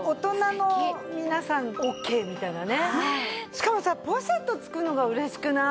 しかもさポシェット付くのが嬉しくない？